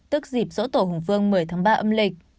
tức dịp dỗ tổ hùng vương một mươi tháng ba âm lịch